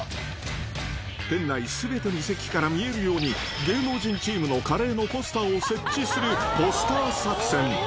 店内すべての席から見えるように、芸能人チームのカレーのポスターを設置するポスター作戦。